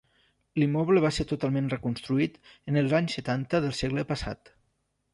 L'immoble va ser totalment reconstruït en els anys setanta del segle passat.